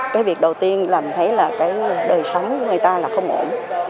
cái việc đầu tiên là mình thấy là cái đời sống người ta là không ổn